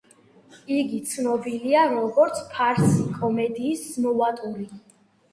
იგი ცნობილია, როგორც ფარსი კომედიის ნოვატორი.